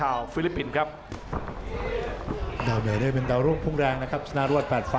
อันดันเตอร์